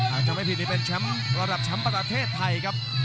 อาจจะไม่ผิดนี่เป็นแชมป์ระดับแชมป์ประเทศไทยครับ